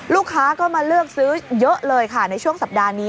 ลูกค้าก็มาเลือกซื้อเยอะเลยค่ะในช่วงสัปดาห์นี้